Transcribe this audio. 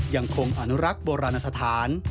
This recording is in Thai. ยังคงอนุรักษ์โบราณสถาน